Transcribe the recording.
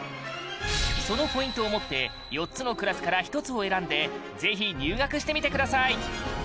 そのポイントを持って４つのクラスから１つを選んでぜひ入学してみてください